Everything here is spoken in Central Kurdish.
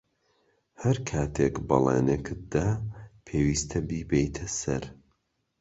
ھەر کاتێک بەڵێنێکت دا، پێویستە بیبەیتە سەر.